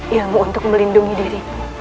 ilmu untuk melindungi dirimu